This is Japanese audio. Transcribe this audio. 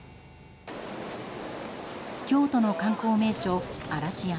京都の観光名所・嵐山。